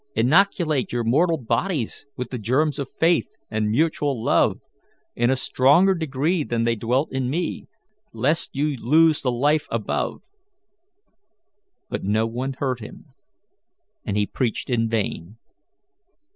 Inoculate your mortal bodies with the germs of faith and mutual love, in a stronger degree than they dwelt in me, lest you lose the life above." But no one heard him, and he preached in vain.